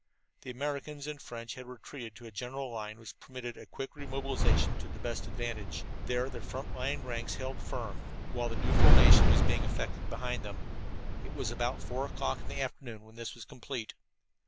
The Americans and French had retreated to a general line which permitted a quick re mobilization to the best advantage. There their front line ranks held firm, while the new formation was being effected behind them. It was about four o'clock in the afternoon when this was complete.